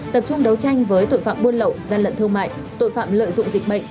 tập trung đấu tranh với tội phạm buôn lậu gian lận thương mại tội phạm lợi dụng dịch bệnh